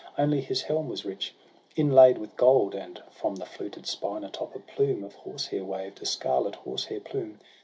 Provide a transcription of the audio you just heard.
Only his helm was rich, inlaid with gold, And, from the fluted spine atop, a plume Of horsehair waved, a scarlet horsehair plume.